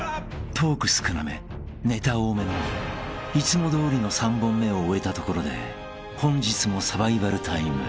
［トーク少なめネタ多めのいつもどおりの３本目を終えたところで本日も］